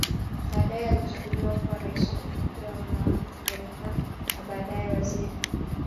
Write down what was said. Baadae alichaguliwa kuwa Rais wa Umoja wa wanawake Tanganyika na baadae Waziri